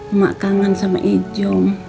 emak kangen sama ijom